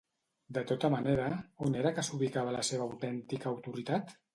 De tota manera, on era que s'ubicava la seva autèntica autoritat?